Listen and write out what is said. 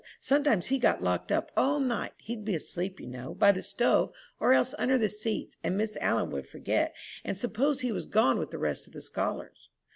Sometimes he got locked up all night. He'd be asleep, you know, by the stove, or else under the seats, and Miss All'n would forget, and suppose he was gone with the rest of the scholars."